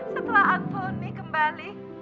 setelah antoni kembali